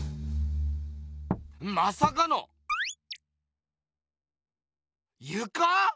まさかのゆか⁉